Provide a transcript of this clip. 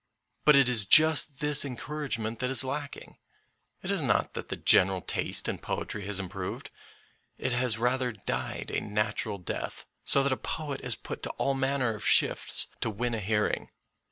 But it is just this en couragement that is lacking. It is not that the general taste in poetry has improved ; it has rather died a natural death, so that a poet is put to all manner of shifts to win a hearing.